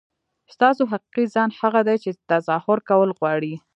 ستاسو حقیقي ځان هغه دی چې تظاهر کول غواړي.